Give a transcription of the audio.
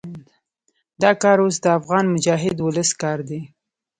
دا کار اوس د افغان مجاهد ولس کار دی.